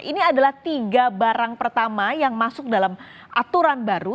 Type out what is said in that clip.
ini adalah tiga barang pertama yang masuk dalam aturan baru